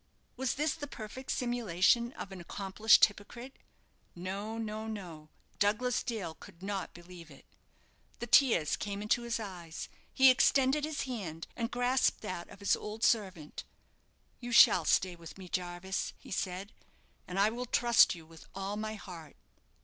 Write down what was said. Was this the perfect simulation of an accomplished hypocrite? No, no, no; Douglas Dale could not believe it. The tears came into his eyes; he extended his hand, and grasped that of his old servant. "You shall stay with me, Jarvis," he said; "and I will trust you with all my heart."